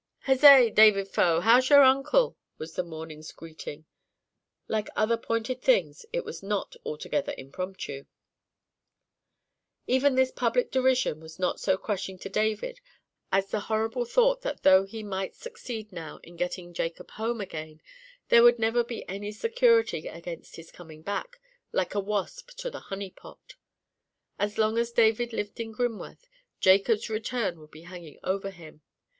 "Huzzay, David Faux! how's your uncle?" was their morning's greeting. Like other pointed things, it was not altogether impromptu. Even this public derision was not so crushing to David as the horrible thought that though he might succeed now in getting Jacob home again there would never be any security against his coming back, like a wasp to the honey pot. As long as David lived at Grimworth, Jacob's return would be hanging over him.